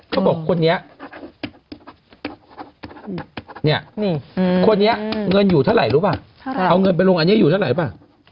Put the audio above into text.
เขาบอกคนนี้เงินอยู่เท่าไหร่รู้ป่ะเอาเงินไปลงอันนี้อยู่เท่าไหร่ป่ะ